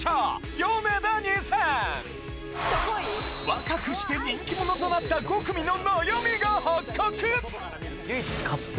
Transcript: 若くして人気者となった５組の悩みが発覚！